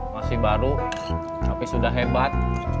masih baru tapi sudah hebat